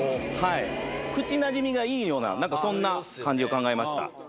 口なじみがいいようなそんな漢字を考えました。